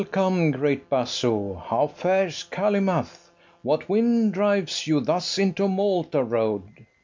Welcome, great basso: how fares Calymath? What wind drives you thus into Malta road?